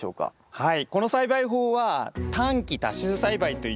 はい。